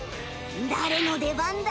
誰の出番だ？